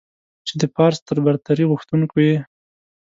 چې د پارس تر برتري غوښتونکو يې.